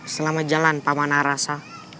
selamat jalan pamanarasa